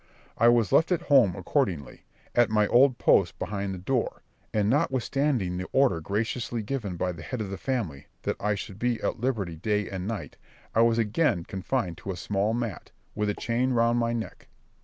I was left at home accordingly, at my old post behind the door; and notwithstanding the order graciously given by the head of the family, that I should be at liberty day and night, I was again confined to a small mat, with a chain round my neck.